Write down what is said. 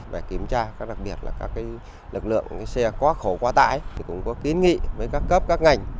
phải kiểm tra các lực lượng xe quá khổ quá tải cũng có kiến nghị với các cấp các ngành